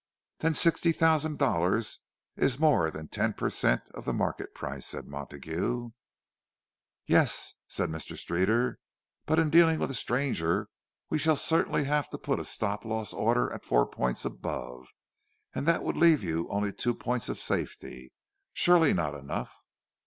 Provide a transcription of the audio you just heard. "Then sixty thousand dollars is more than ten per cent, of the market price," said Montague. "Yes," said Mr. Streeter. "But in dealing with a stranger we shall certainly have to put a 'stop loss' order at four points above, and that would leave you only two points of safety—surely not enough."